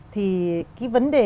thì cái vấn đề này